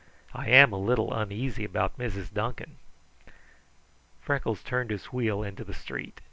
"I am a little uneasy about Mrs. Duncan." Freckles turned his wheel into the street.